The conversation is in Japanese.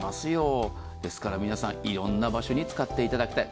ですから皆さん、いろんな場所に使っていただきたい。